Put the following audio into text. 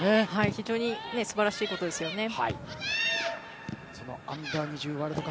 非常に素晴らしいことですよね。